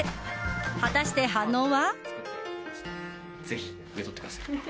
果たして、反応は。